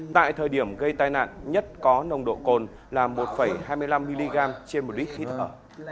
tại thời điểm gây tai nạn nhất có nồng độ cồn là một hai mươi năm mg trên một lít khí thở